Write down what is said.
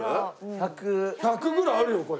１００ぐらいあるよこれ。